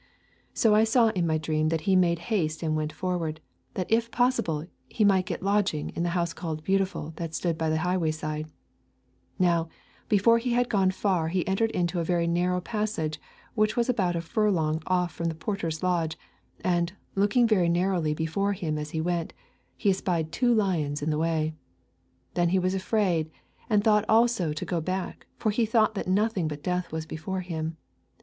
So I saw in my dream that he made haste and went forward, that if possible he might get lodging in the house called Beautiful that stood by the highway side. Now, before he had gone far he entered into a very narrow passage which was about a furlong off from the porter's lodge, and looking very narrowly before him as he went, he espied two lions in the way. Then was he afraid, and thought also to go back, for he thought that nothing but death was before him.